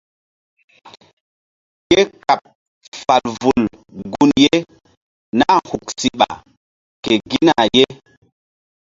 Ke kaɓ fal vul gun ye nah huk siɓa ke gina ye.